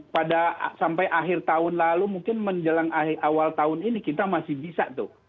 pada sampai akhir tahun lalu mungkin menjelang awal tahun ini kita masih bisa tuh